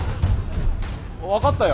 分かったよ。